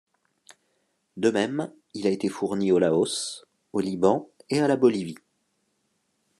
De même, il a été fourni au Laos, au Liban et à la Bolivie.